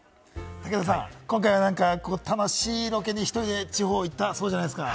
武田さん、今回は何か楽しいロケに１人で地方に行ったそうじゃないですか。